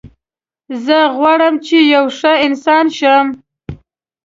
زه غواړم چې یو ښه انسان شم